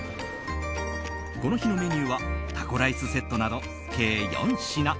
この日のメニューはタコライスセットなど計４品。